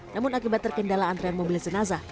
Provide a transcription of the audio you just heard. namun akibat terkendala antrian mobil zenaza